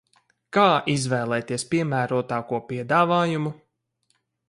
Kā izvēlēties piemērotāko piedāvājumu?